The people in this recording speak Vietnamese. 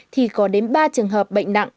thì có đến ba trường hợp bệnh nặng